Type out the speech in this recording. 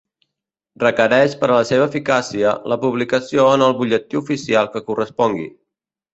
Requereix per a la seva eficàcia la publicació en el Butlletí Oficial que correspongui.